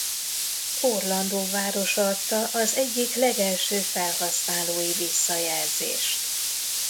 Orlando városa adta az egyik legelső felhasználói visszajelzést.